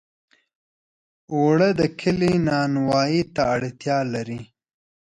اوړه د کلي نانوایۍ ته اړتیا لري